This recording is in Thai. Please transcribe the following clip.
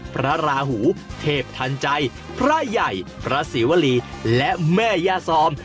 พระราหูเทพทันใจพระใหญ่พระศรีวรีและแม่ยาซอม